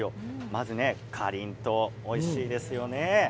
まずかりんとうおいしいですよね。